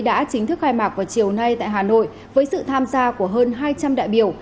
đã chính thức khai mạc vào chiều nay tại hà nội với sự tham gia của hơn hai trăm linh đại biểu